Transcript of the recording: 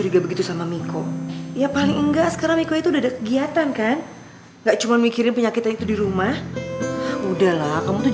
di depan miko jangan memperlihatkan wajah sedih kamu